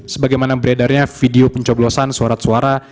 sebagaimana beredarnya video pencoblosan surat suara